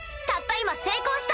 今成功した！